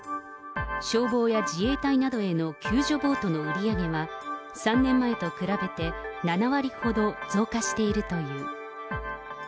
消防や自衛隊などへの救助ボートの売り上げは、３年前と比べて７割ほど増加しているという。